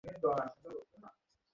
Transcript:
রেই তৈরি রয়েছে।